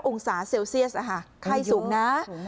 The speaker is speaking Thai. องศาเซลเซียสไข้สูงนะ